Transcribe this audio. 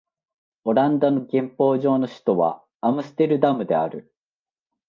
オランダの憲法上の首都はアムステルダムである